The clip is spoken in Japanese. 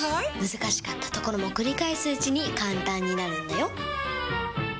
難しかったところも繰り返すうちに簡単になるんだよ！